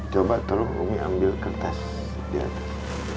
coba tolong umi ambil kertas di atas